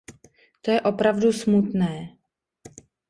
To je opravdu smutné.